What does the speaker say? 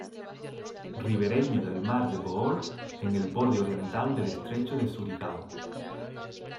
Ribereño del mar de Bohol en el borde oriental del estrecho de Surigao.